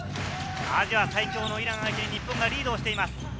アジア最強のイラン相手に日本がリードしています。